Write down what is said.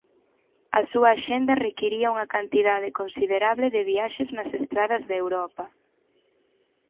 A súa axenda requiría unha cantidade considerable de viaxes nas estradas de Europa.